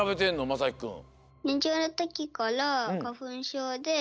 まさきくん。